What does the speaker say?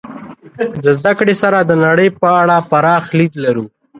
د زدهکړې سره د نړۍ په اړه پراخ لید لرو.